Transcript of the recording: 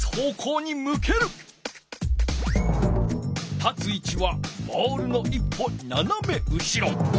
立つ位置はボールの一歩ななめ後ろ。